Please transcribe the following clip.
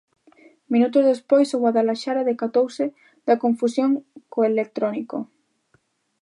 Minutos despois o Guadalaxara decatouse da confusión co electrónico.